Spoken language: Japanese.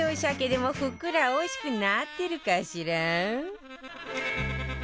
鮭でもふっくらおいしくなってるかしら？